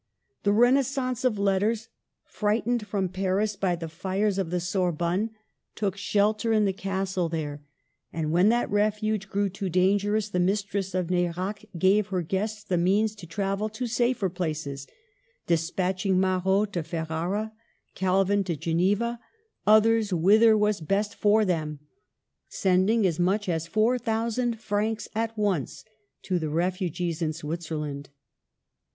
The Renaissance of Letters, frightened from Paris by the fires of 132 MARGARET OF ANGOULEME. the Sorbonne, took shelter in the castle there ; and when that refuge grew too dangerous, the mistress of Nerac gave her guests the means to travel to safer places, despatching Marot to Fer rara, Calvin to Geneva, others whither was best for them ; sending as much as four thousand francs at once to the refugees in Switzerland.